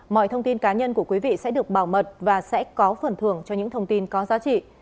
mọi thông tin cá nhân của quý vị sẽ được bảo mật và sẽ có phần thưởng cho những thông tin có giá trị